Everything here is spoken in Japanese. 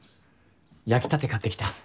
焼き立て買ってきた。